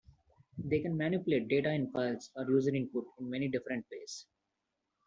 They can manipulate data in files or user input in many different ways.